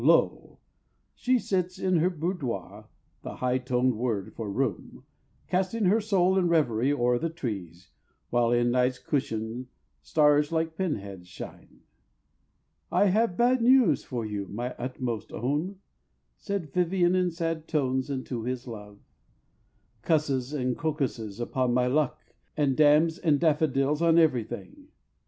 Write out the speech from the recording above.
Lo, she sits In her boudoir (the high toned word for "room"), Casting her soul in reverie o'er the trees, While in Night's cushion stars like pin heads shine. "I have bad news for you, my utmost own," Said Vivian in sad tones unto his love. "Cusses and crocuses upon my luck! And damns and daffodils on everything!"